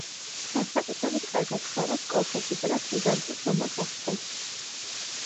განსაკუთრებით კარგად ხარობს კოლხეთში, სადაც გიგანტურ ზომას აღწევს.